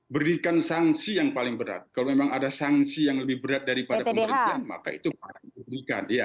berikan sanksi yang paling berat kalau memang ada sanksi yang lebih berat daripada pemerintahan maka itu paling diberikan